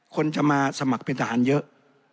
คนจะมาสมัครเป็นทหารเยอะ